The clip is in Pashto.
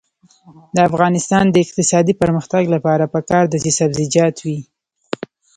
د افغانستان د اقتصادي پرمختګ لپاره پکار ده چې سبزیجات وي.